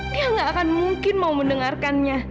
dia gak akan mungkin mau mendengarkannya